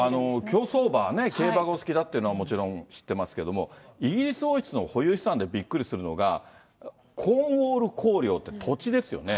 競走馬、競馬がお好きだというのは、もちろん知ってますけども、イギリス王室の保有資産でびっくりするのが、コーンウォール公領という土地ですよね。